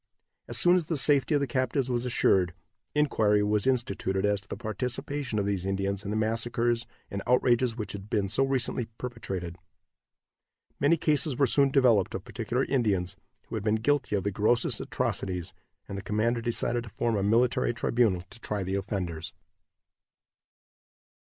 As soon as the safety of the captives was assured, inquiry was instituted as to the participation of these Indians in the massacres and outrages which had been so recently perpetrated. Many cases were soon developed of particular Indians, who had been guilty of the grossest atrocities, and the commander decided to form a military tribunal to try the offenders.